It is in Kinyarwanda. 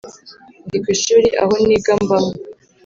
ndi ku ishuri aho niga mbamo.